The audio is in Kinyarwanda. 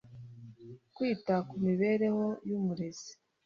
kwita ku mibereho y'umurezi